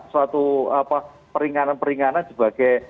suatu peringanan peringanan sebagai